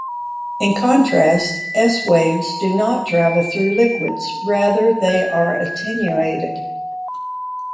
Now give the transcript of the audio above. In contrast, S-waves do not travel through liquids, rather, they are attenuated.